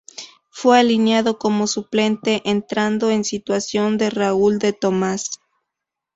Fue alineado como suplente, entrando en sustitución de Raúl de Tomás.